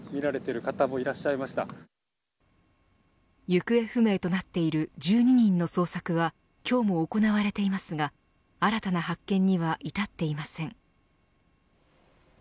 行方不明となっている１２人の捜索は今日も行われていますが新たな発見には至っていません。